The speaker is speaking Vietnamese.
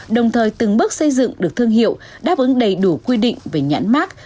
đồng thời từng bước xây dựng được thương hiệu đáp ứng đầy đủ quy định về nhãn mát